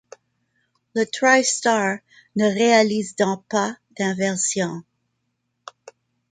Le Tri Star ne réalise donc pas d'inversion.